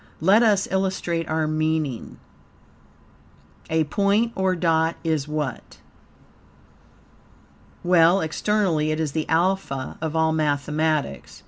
Let us illustrate our meaning. A point or dot is what? Well, externally it is the alpha of all mathematics.